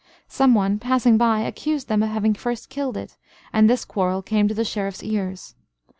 Someone, passing by, accused them of having first killed it, and this quarrel came to the Sheriff's ears.